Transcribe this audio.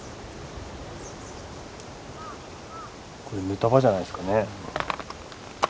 これぬた場じゃないですかね。